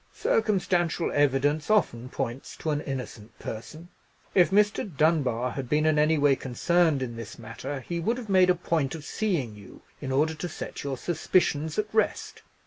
Circumstantial evidence often points to an innocent person. If Mr. Dunbar had been in any way concerned in this matter, he would have made a point of seeing you, in order to set your suspicions at rest.